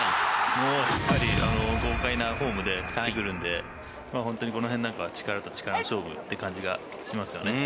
豪快なフォームで振ってくるので、本当にこの辺は力と力の勝負という感じがしますよね。